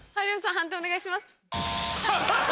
判定お願いします。